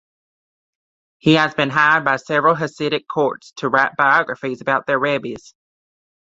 He has been hired by several Hasidic courts to write biographies about their rebbes.